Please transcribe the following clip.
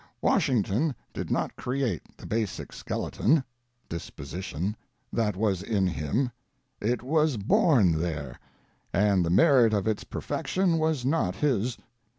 Washington did not create the basic skeleton (disposition) that was in him ; it was born there, and the merit of its perfection was not his.